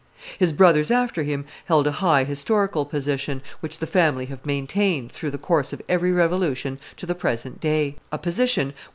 His brothers after him held a high historical position, which the family have maintained, through the course of every revolution, to the present day; a position which M.